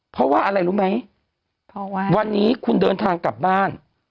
เพราะว่าอะไรรู้ไหมเพราะว่าวันนี้คุณเดินทางกลับบ้าน